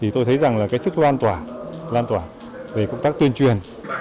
tôi thấy sức lan tỏa về công tác tuyên truyền